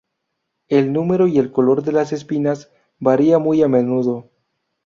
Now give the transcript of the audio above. El número y el color de las espinas varía muy a menudo.